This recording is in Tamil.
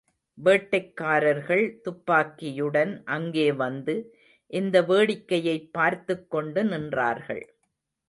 வேட்டைக் காரர்கள் துப்பாக்கியுடன் அங்கே வந்து, இந்த வேடிக்கையைப் பார்த்துக் கொண்டு நின்றார்கள்.